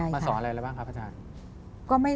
มาสอนอะไรบ้างครับพระอาจารย์